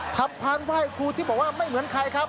พานไหว้ครูที่บอกว่าไม่เหมือนใครครับ